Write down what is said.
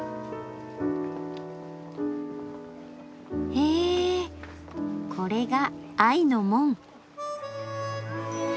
へぇこれが愛の門！